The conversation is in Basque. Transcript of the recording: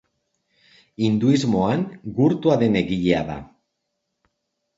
Hinduismoan gurtua den egilea da.